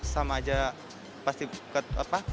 sama aja pasti ketularan